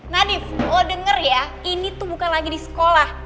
nadif oh dengar ya ini tuh bukan lagi di sekolah